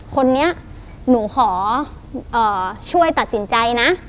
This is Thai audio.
คนนี้หนูขอช่วยตัดสินใจนะ